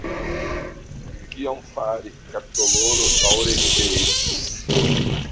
Kion fari – kapdoloro daŭre ĉeestis.